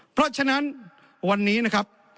เพราะฉะนั้นวันนี้นะครับ